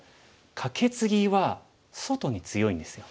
カケツギは外に強いんですよ。